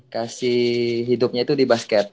kasih hidupnya itu di basket